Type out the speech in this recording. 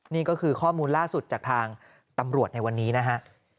นี่ก็คือข้อมูลล่าสุดจากทางตำรวจในวันนี้นะฮะ